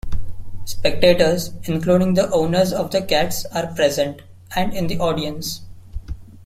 Spectators, including the owners of the cats are present and in the audience.